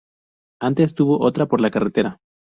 Antes tuvo otra por la carretera.